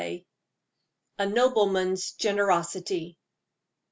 A NOBLEMAN'S GENEROSITY.